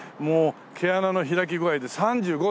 毛穴の開き具合で３５度！